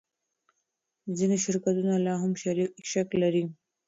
ځینې شرکتونه لا هم شک لري.